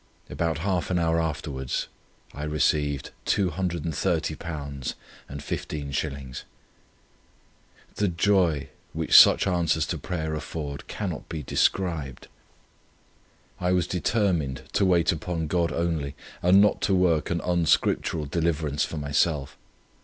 About half an hour afterwards I received £230 15s. "The joy which such answers to prayer afford, cannot be described. I was determined to wait upon God only, and not to work an unscriptural deliverance for myself.